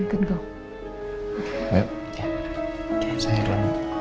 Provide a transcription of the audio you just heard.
oke kamu bisa pergi